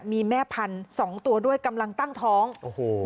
มีแม่พันธุ์สองตัวด้วยกำลังตั้งท้องโอ้โห